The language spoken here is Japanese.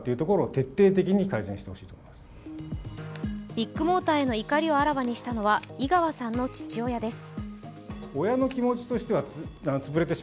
ビッグモーターへの怒りをあらわにしたのは井川さんの父親です。